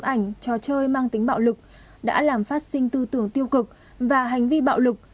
ảnh trò chơi mang tính bạo lực đã làm phát sinh tư tưởng tiêu cực và hành vi bạo lực